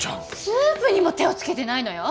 スープにも手を付けてないのよ！